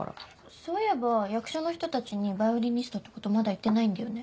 そういえば役所の人たちにヴァイオリニストってことまだ言ってないんだよね？